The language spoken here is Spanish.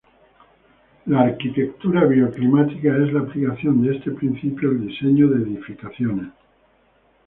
La arquitectura bioclimática es la aplicación de este principio al diseño de edificaciones.